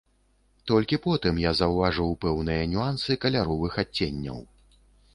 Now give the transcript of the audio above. Толькі потым я заўважыў пэўныя нюансы каляровых адценняў.